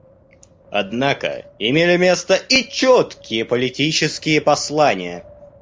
Однако имели место и четкие политические послания.